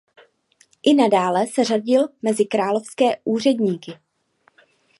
I nadále se řadil mezi královské úředníky.